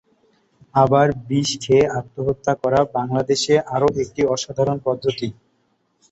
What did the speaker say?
আবার বিষ খেয়ে আত্মহত্যা করা বাংলাদেশে আরো একটি সাধারণ পদ্ধতি।